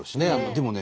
でもね